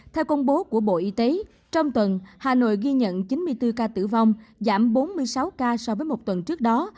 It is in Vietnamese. theo công bố của bộ y tế trong tuần hà nội ghi nhận chín mươi bốn ca tử vong giảm bốn mươi sáu ca so với một tuần trước đó